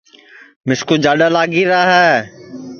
مِسکُو جاڈؔا لگی را ہے